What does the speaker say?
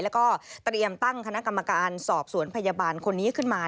แล้วก็เตรียมตั้งคณะกรรมการสอบสวนพยาบาลคนนี้ขึ้นมา